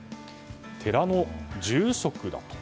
寺の住職だと。